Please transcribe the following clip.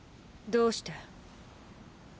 どうして？